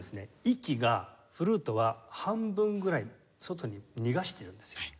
息がフルートは半分ぐらい外に逃がしてるんですよ。